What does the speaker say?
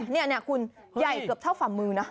นี่คุณใหญ่เกือบเท่าฝ่ามือนะ